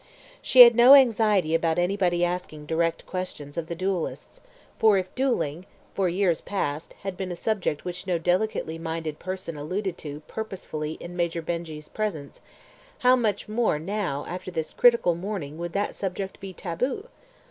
She had no anxiety about anybody asking direct questions of the duellists, for if duelling, for years past, had been a subject which no delicately minded person alluded to purposely in Major Benjy's presence, how much more now after this critical morning would that subject be taboo?